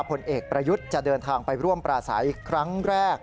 ผลเอกประยุทธ์จะเดินทางไปร่วมปราศัยครั้งแรก